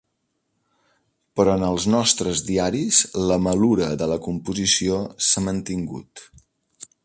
Però en els nostres diaris la malura de la composició s'ha mantingut.